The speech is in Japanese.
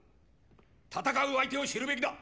戦う相手を知るべきだ！